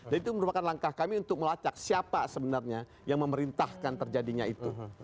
dan itu merupakan langkah kami untuk melacak siapa sebenarnya yang memerintahkan terjadinya itu